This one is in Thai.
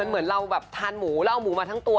เหมือนเราแบบทานหมูแล้วเอาหมูมาทั้งตัว